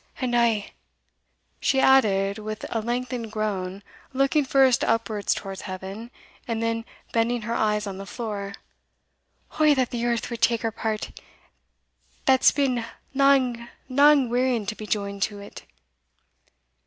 And oh!" she added, with a lengthened groan, looking first upwards towards Heaven, and then bending her eyes on the floor "O that the earth would take her part, that's been lang lang wearying to be joined to it!"